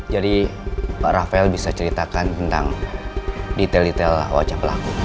jadi pak rafael bisa ceritakan tentang detail detail wajah pelaku